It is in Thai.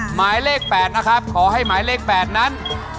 หมายเลข๘นะครับขอให้หมายเลข๘นั้น